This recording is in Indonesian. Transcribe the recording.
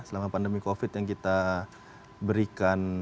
selama pandemi covid yang kita berikan